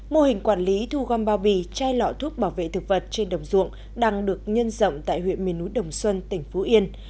mô hình quản lý thu gom bao bì chai lọ thuốc bảo vệ thực vật trên đồng ruộng đang được nhân rộng tại huyện miền núi đồng xuân tỉnh phú yên